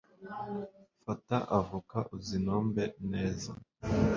Fata avoka uzinombe neza